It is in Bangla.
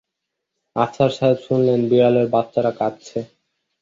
আফসার সাহেব শুনলেন বিড়ালের বাচ্চাটা কাঁদছে।